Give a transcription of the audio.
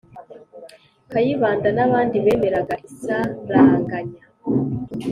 kayibanda n' abandi bemeraga isaranganya